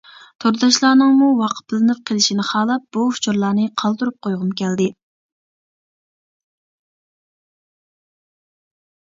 تورداشلارنىڭمۇ ۋاقىپلىنىپ قېلىشىنى خالاپ بۇ ئۇچۇرلارنى قالدۇرۇپ قويغۇم كەلدى.